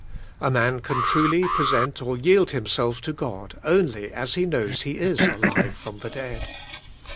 A man can truly present or yield him self to God only as he knows he is alive from the dead.